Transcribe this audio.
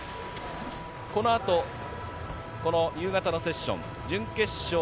この後、夕方のセッション、準決勝。